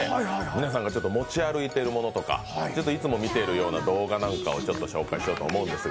皆さんが持ち歩いているものとかいつも見ている動画を紹介しようと思うんです。